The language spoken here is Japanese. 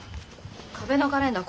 壁のカレンダー